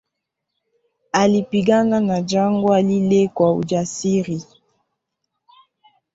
Alipigana na jangwa lile kwa ujasiri